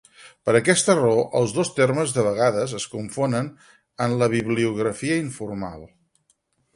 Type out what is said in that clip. Per aquesta raó els dos termes de vegades es confonen en la bibliografia informal.